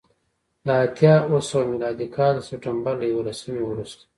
د اتیا اوه سوه میلادي کال د سپټمبر له یوولسمې وروسته